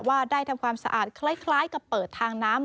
ว่าได้ทำความสะอาดคล้ายกับเปิดทางน้ำ